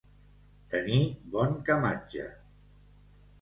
Tenir bon camatge.